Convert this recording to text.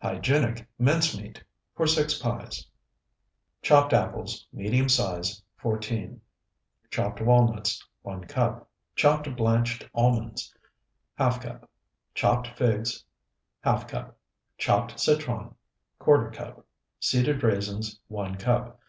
HYGIENIC MINCE MEAT (For Six Pies) Chopped apples, medium size, 14. Chopped walnuts, 1 cup. Chopped blanched almonds, ½ cup. Chopped figs, ½ cup. Chopped citron, ¼ cup. Seeded raisins, 1 cup.